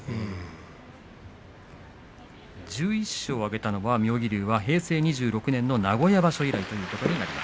１１勝、挙げたのは平成２６年の名古屋場所以来です。